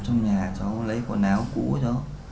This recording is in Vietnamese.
trong nhà cháu lấy quần áo cũ cháu